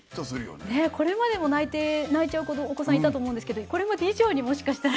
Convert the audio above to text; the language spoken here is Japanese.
ねっこれまでも泣いちゃうお子さんいたと思うんですけどこれまで以上にもしかしたら。